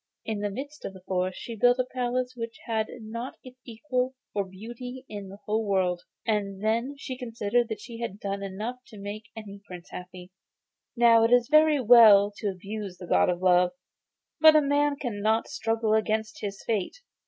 In the midst of this forest she built a palace which had not its equal for beauty in the whole world, and then she considered that she had done enough to make any prince happy. Now it is all very well to abuse the God of Love, but a man cannot struggle against his fate.